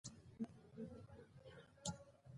افغاني انار په نړۍ کې بې ساري دي.